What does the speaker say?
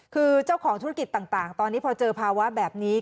คือเจ้าของธุรกิจต่างตอนนี้พอเจอภาวะแบบนี้